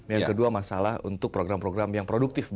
yang kedua masalah untuk program program yang produktif